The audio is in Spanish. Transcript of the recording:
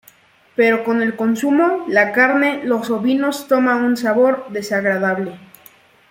Pero con el consumo, la carne los ovinos toma un sabor desagradable.